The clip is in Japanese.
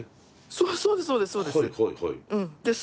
そうですそうです。